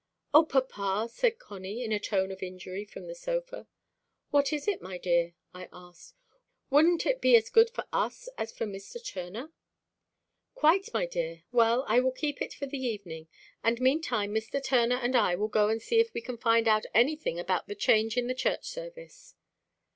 "O, papa!" said Connie, in a tone of injury, from the sofa. "What is it, my dear?" I asked. "Wouldn't it be as good for us as for Mr. Turner?" "Quite, my dear. Well, I will keep it for the evening, and meantime Mr. Turner and I will go and see if we can find out anything about the change in the church service."